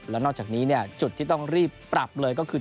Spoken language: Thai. แล้วนอกจากนี้จุดที่ต้องรีบปรับเลยก็คือ